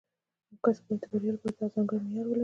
یو کس باید د بریا لپاره دغه ځانګړی معیار ولري